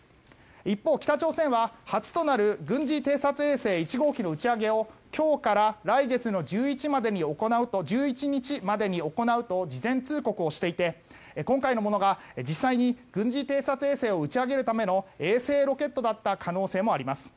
一方、北朝鮮は初となる軍事偵察衛星１号機の打ち上げを今日から来月の１１日までに行うと事前通告していて今回のものが実際に軍事偵察衛星を打ち上げるための衛星ロケットだった可能性もあります。